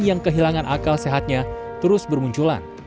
yang kehilangan akal sehatnya terus bermunculan